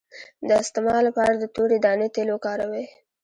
د استما لپاره د تورې دانې تېل وکاروئ